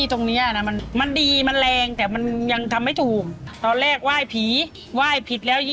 ก็คือเป็นที่มาในการตั้งศาลตายาย